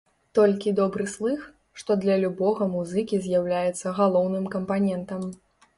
Толькі добры слых, што для любога музыкі з'яўляецца галоўным кампанентам.